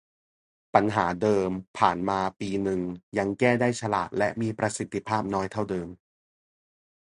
ปัญหาเดิมผ่านมาปีนึงยังแก้ได้ฉลาดและมีประสิทธิภาพน้อยเท่าเดิม